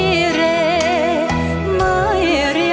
โปรดติดตามตอนต่อไป